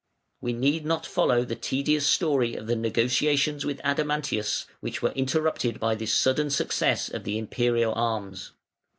We need not follow the tedious story of the negotiations with Adamantius, which were interrupted by this sudden success of the Imperial arms.